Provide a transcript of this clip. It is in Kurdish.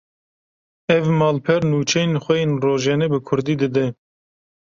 Ev malper, nûçeyên xwe yên rojane bi Kurdî dide